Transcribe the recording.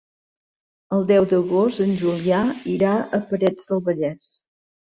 El deu d'agost en Julià irà a Parets del Vallès.